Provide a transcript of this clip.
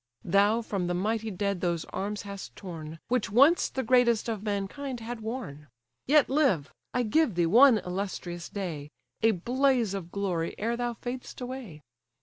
Thou from the mighty dead those arms hast torn, Which once the greatest of mankind had worn. Yet live! I give thee one illustrious day, A blaze of glory ere thou fad'st away.